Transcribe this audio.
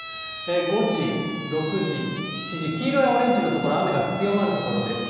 ５時、６時、７時、黄色やオレンジ所、雨が強まる所です。